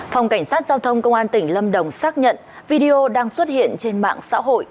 phòng cảnh sát giao thông công an tỉnh lâm đồng xác nhận video đang xuất hiện trên mạng xã hội